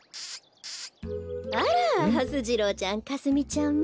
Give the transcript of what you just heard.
あらはす次郎ちゃんかすみちゃんも。